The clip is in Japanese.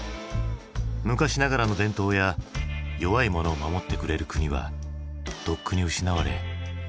昔ながらの伝統や弱い者を守ってくれる国はとっくに失われどこにもない。